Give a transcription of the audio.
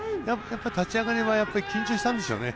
立ち上がりはやっぱり緊張したんでしょうね。